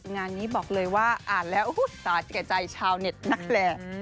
งานนี้บอกเลยว่าอ่านแล้วสาดแก่ใจชาวเน็ตนักแหล่